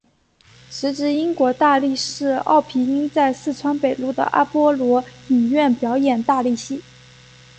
时值英国大力士奥皮音在四川北路的阿波罗影院表演大力戏。